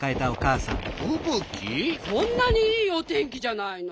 こんなにいいおてんきじゃないの。